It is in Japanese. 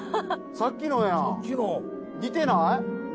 さっきのやん似てない？